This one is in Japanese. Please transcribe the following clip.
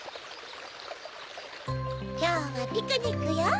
きょうはピクニックよ。